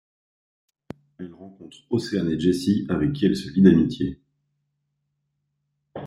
Elle rencontre Océane et Jessie avec qui elle se lie d'amitié.